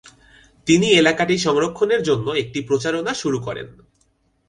তিনি এলাকাটি সংরক্ষণের জন্য একটি প্রচারণা শুরু করেন।